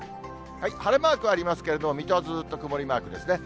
晴れマークありますけれども、水戸はずっと曇りマークですね。